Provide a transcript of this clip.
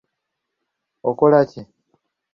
Okola ki?